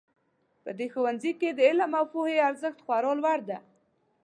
په دې ښوونځي کې د علم او پوهې ارزښت خورا لوړ ده